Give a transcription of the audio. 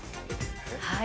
はい。